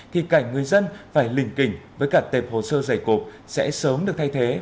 khi cảnh người dân phải lình kình với cả tệp hồ sơ giày cộp sẽ sớm được thay thế